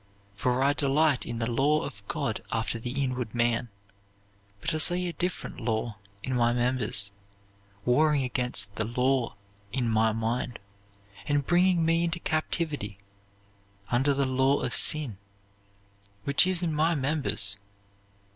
For I delight in the law of God after the inward man; but I see a different law in my members, warring against the law in my mind, and bringing me into captivity, under the law of sin, which is in my members.